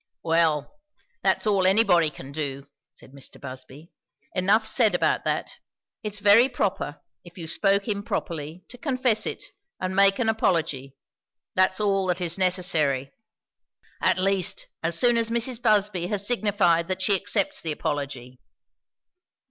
"Well, that's all anybody can do," said Mr. Busby. "Enough's said about that. It's very proper, if you spoke improperly, to confess it and make an apology; that's all that is necessary. At least, as soon as Mrs. Busby has signified that she accepts the apology."